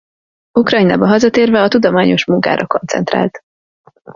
Ukrajnába hazatérve a tudományos munkára koncentrált.